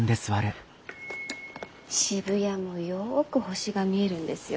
渋谷もよく星が見えるんですよ。